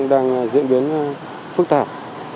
đang diễn biến phức tạp